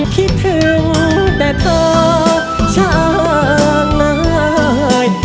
คิดถึงแต่ขอช้างนาย